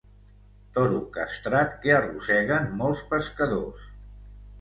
Toro castrat que arrosseguen molts pescadors.